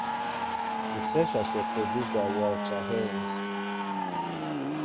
The sessions were produced by Walter Haynes.